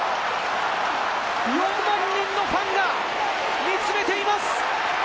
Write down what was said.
４万人のファンが見つめています！